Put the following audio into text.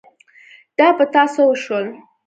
دا په تا څه وشول ؟